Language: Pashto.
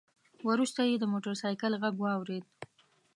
وروسته يې د موټر سايکل غږ واورېد.